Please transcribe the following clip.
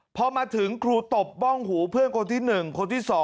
พอมาถึงครูตบบ้องหูเพื่อนคนที่๑คนที่๒